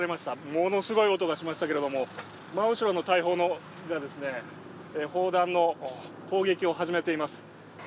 ものすごい音がしましたけれども、真後ろの大砲が砲弾の攻撃を始めています。